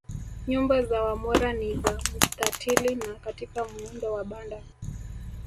Nyumba za Wamwera ni za mstatili na katika muundo wa banda